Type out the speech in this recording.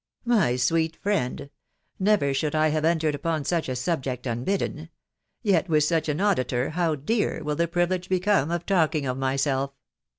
" My sweet friend !.... Never should I have entered upon such a subject unbidden .... yet with such an auditor, how dear will the privilege become of talking of myself